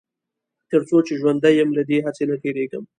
تر څو چې ژوندی يم له دې هڅې نه تېرېږم.